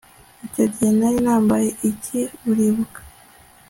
icyo gihe nari nambaye iki? uribuka